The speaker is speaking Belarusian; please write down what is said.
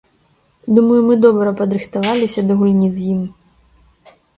Думаю, мы добра падрыхтаваліся да гульні з ім.